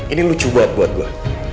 ini lucu banget buat gue